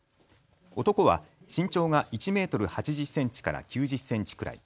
男は身長が１メートル８０センチから９０センチくらい。